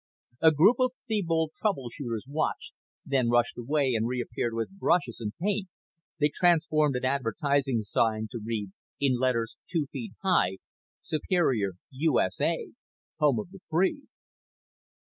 A group of Thebold troubleshooters watched, then rushed away and reappeared with brushes and paint. They transformed an advertising sign to read, in letters two feet high: SUPERIOR, U.S.A., HOME OF THE FREE.